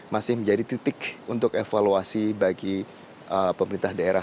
masih menjadi titik untuk evaluasi bagi pemerintah daerah